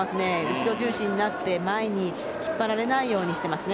後ろ重心になって前に引っ張られないようにしていますね。